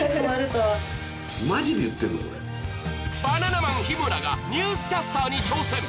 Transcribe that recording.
バナナマン日村がニュースキャスターに挑戦。